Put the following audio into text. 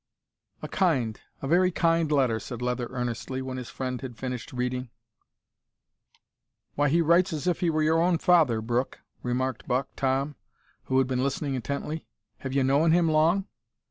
"A kind a very kind letter," said Leather earnestly, when his friend had finished reading. "Why, he writes as if he were your own father, Brooke," remarked Buck Tom, who had been listening intently. "Have you known him long?"